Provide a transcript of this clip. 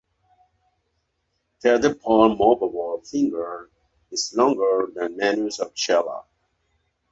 Pedipalp movable finger is longer than manus of chela.